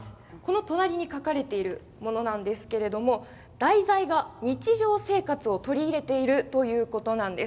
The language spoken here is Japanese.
隣に書かれているものですが題材が日常生活を取り入れているということなんです。